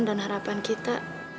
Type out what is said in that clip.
dan harapan kita